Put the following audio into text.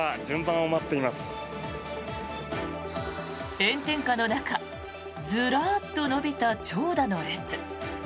炎天下の中ずらっと延びた長蛇の列。